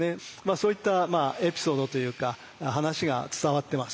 そういったエピソードというか話が伝わってます。